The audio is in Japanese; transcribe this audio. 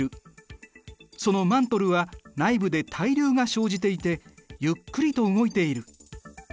そのマントルは内部で対流が生じていてゆっくりと動いている。